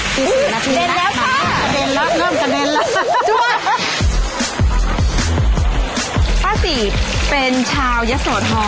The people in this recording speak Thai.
สี่สิบนาทีเริ่มกระเด็นแล้วเริ่มกระเด็นแล้วปลาสีเป็นชาวยสวทร